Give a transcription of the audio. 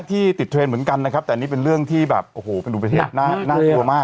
ที่ติดเทรนด์เหมือนกันนะครับแต่อันนี้เป็นเรื่องที่แบบโอ้โหเป็นอุบัติเหตุน่ากลัวมาก